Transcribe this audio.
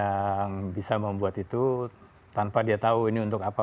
yang bisa membuat itu tanpa dia tahu ini untuk apa